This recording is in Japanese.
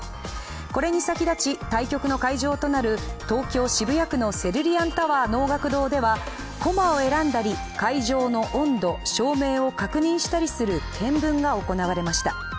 これに先立ち、対局の会場となる東京・渋谷区のセルリアンタワー能楽堂では駒を選んだり、会場の温度・照明を確認したりする検分が行われました。